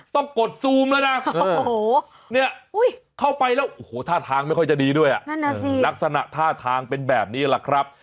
กดซูมแล้วนะโอ้โหเนี่ยเข้าไปแล้วโอ้โหท่าทางไม่ค่อยจะดีด้วยลักษณะท่าทางเป็นแบบนี้แหละครับ